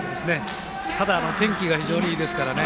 ただ、天気が非常にいいですから。